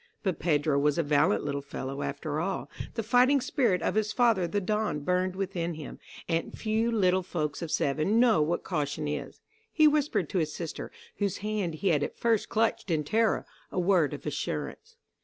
But Pedro was a valiant little fellow after all. The fighting spirit of his father the Don burned within him, and few little folks of seven know what caution is. He whispered to his sister, whose hand he had at first clutched in terror, a word of assurance.